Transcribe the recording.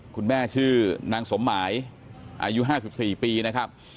คุณแม่ชื่อนางสมหมายอายุ๕๔ปีนะครับ